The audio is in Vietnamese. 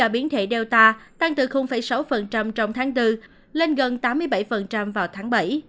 biến thể delta tăng từ sáu trong tháng bốn lên gần tám mươi bảy vào tháng bảy